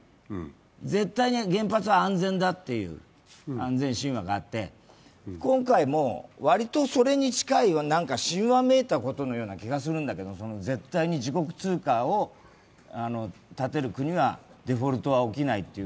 絶対に原発は安全だっていう安全神話があって今回もわりとそれに近い神話めいたことのような気がするんだけど絶対に自国通貨を建てる国はデフォルトは起きないっていう。